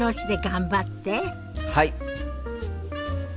はい！